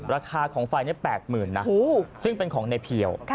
ราคาของไฟแปลกหมื่นนะซึ่งเป็นของนายเพียว